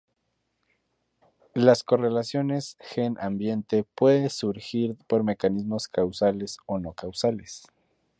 Las correlaciones gen-ambiente pueden surgir por mecanismos causales o no causales.